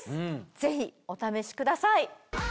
ぜひお試しください。